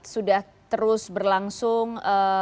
sudah terus berlangsung